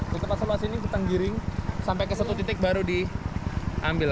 ketika panen bandeng itu berada di atas sampan kemudian diambil